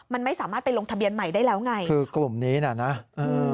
มันไม่สามารถไปลงทะเบียนใหม่ได้แล้วไงคือกลุ่มนี้น่ะนะเออ